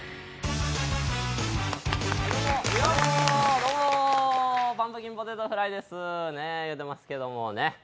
どうも、パンプキンポテトフライです言うてますけどね。